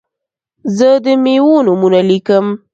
زه د میوو نومونه لیکم.